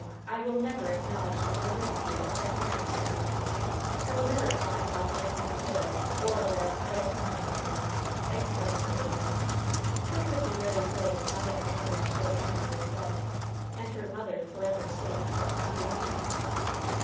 I will never acknowledge the validity of that marriage ceremony ! I will never call myself that man's widow, or wear a thread of mourning for him !'* exclaimed Odalite, who could be very brave now that her mother's great enemy was dead, and her mother forever safe from his malignity.